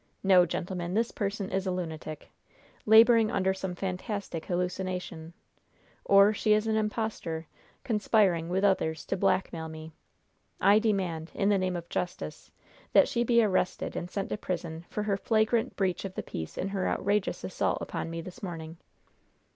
No, gentlemen; this person is a lunatic, laboring under some fantastic hallucination, or she is an impostor, conspiring, with others, to blackmail me. I demand, in the name of justice, that she be arrested and sent to prison for her flagrant breach of the peace in her outrageous assault upon me this morning."